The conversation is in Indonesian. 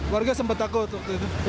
warga sempat takut waktu itu